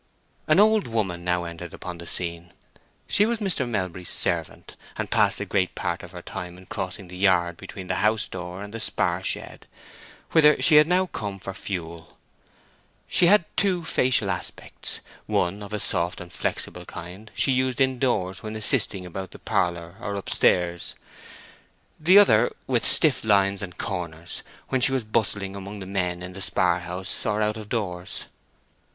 An old woman now entered upon the scene. She was Mr. Melbury's servant, and passed a great part of her time in crossing the yard between the house door and the spar shed, whither she had come now for fuel. She had two facial aspects—one, of a soft and flexible kind, she used indoors when assisting about the parlor or upstairs; the other, with stiff lines and corners, when she was bustling among the men in the spar house or out of doors.